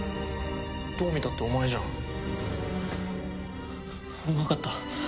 どう見たってお前じゃん。分かった。